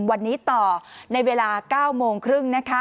วันนี้ต่อในเวลา๙โมงครึ่งนะคะ